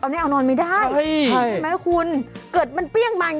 เห้ยไม่ได้หรอก